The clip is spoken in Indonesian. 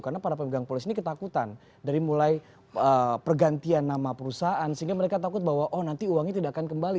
karena para pemegang polis ini ketakutan dari mulai pergantian nama perusahaan sehingga mereka takut bahwa oh nanti uangnya tidak akan kembali